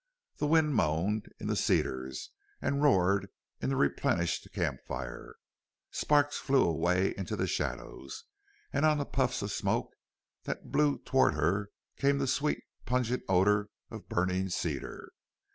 The wind moaned in the cedars and roared in the replenished camp fire. Sparks flew away into the shadows. And on the puffs of smoke that blew toward her came the sweet, pungent odor of burning cedar.